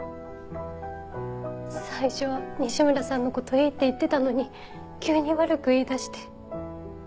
最初は西村さんのこといいって言ってたのに急に悪く言いだして。